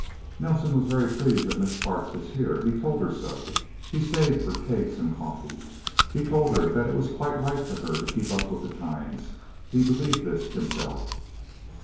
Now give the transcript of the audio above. Nelsen was very pleased that Miss Parks was here. He told her so. He stayed for cakes and coffee. He told her that it was quite right for her to keep up with the times. He believed this, himself...